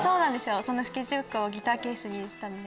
そのスケッチブックをギターケースに入れてたんで。